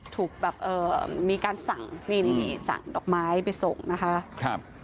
ถูกแบบมีการสั่งดอกไม้ไปส่งนะคะ